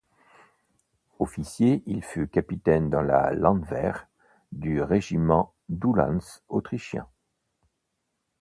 Officier, il fut capitaine dans la landwehr du régiment d'uhlans autrichiens.